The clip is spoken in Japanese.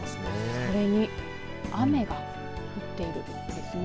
それに雨が降っているんですね。